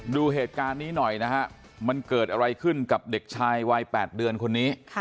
ดูเหตุการณ์นี้หน่อยนะฮะมันเกิดอะไรขึ้นกับเด็กชายวัย๘เดือนคนนี้